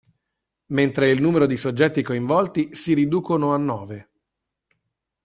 Mentre il numero di soggetti coinvolti si riducono a nove.